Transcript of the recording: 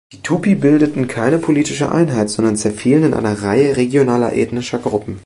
Die Tupi bildeten keine politische Einheit, sondern zerfielen in eine Reihe regionaler ethnischer Gruppen.